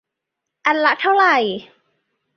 อันละเท่าไหร่